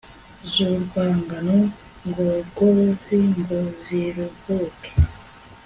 zurwungano ngogozi ngo ziruhuke